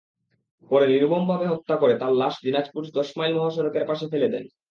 পরে নির্মমভাবে হত্যা করে তার লাশ দিনাজপুর দশমাইল মহাসড়কের পাশে ফেলে দেন।